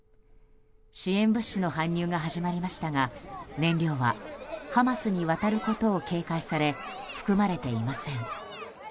支援物資の搬入が始まりましたが燃料はハマスに渡ることを警戒され、含まれていません。